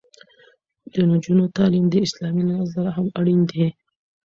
د نجونو تعلیم د اسلام له نظره هم اړین دی.